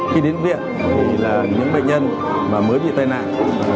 khi đến viện thì là những bệnh nhân mà mới bị tai nạn